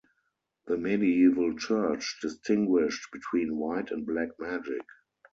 The medieval Church distinguished between "white" and "black" magic.